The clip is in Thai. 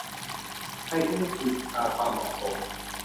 ในทุกมิติตามความเหมาะสม